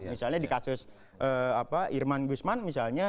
misalnya di kasus irman gusman misalnya